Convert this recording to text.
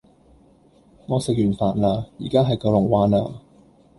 我食完飯啦，依家喺九龍灣啊